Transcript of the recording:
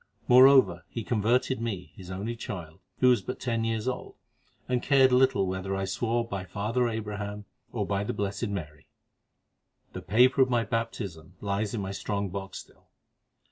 Moreover, he converted me, his only child, who was but ten years old, and cared little whether I swore by 'Father Abraham' or by the 'Blessed Mary.' The paper of my baptism lies in my strong box still.